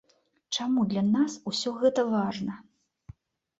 Чаму для нас ўсё гэта важна?